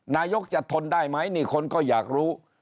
นายกจะทนได้ไหมนี่คนก็อยากรู้